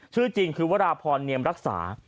ชื่อจริงคือวราพรเนียมรักษา